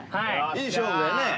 いい勝負よね。